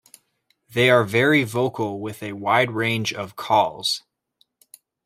They are very vocal with a wide range of calls.